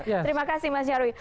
terima kasih mas nyarwi